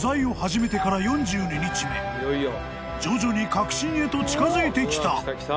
［徐々に核心へと近づいてきた］